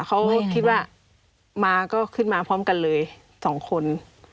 เขาคิดว่ามาก็ขึ้นมาพร้อมกันเลย๒คน